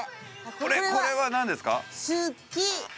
これは何ですか？